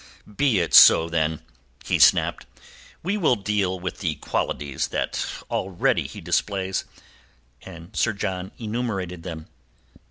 "Be it so, then," he snapped. "We will deal with the qualities that already he displays." And Sir John enumerated them.